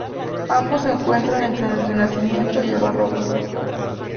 Ambos se encuentran entre el Renacimiento y el Barroco.